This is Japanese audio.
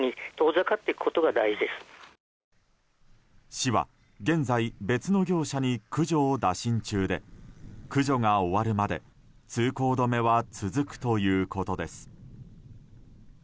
市は、現在別の業者に駆除を打診中で駆除が終わるまで通行止めは続くということです。